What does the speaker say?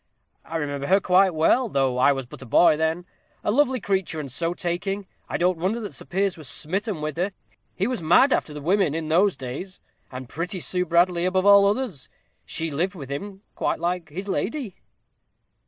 "I remember her quite well, though I was but a boy then; a lovely creature, and so taking, I don't wonder that Sir Piers was smitten with her. He was mad after the women in those days, and pretty Sue Bradley above all others. She lived with him quite like his lady."